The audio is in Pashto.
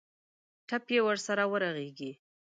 ټپ یې ورسره ورغېږي.